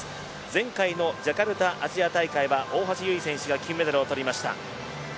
前回のジャカルタアジア大会では大橋悠依選手が金メダルを取りました。